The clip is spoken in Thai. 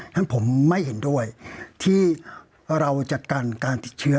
ฉะผมไม่เห็นด้วยที่เราจัดการการติดเชื้อ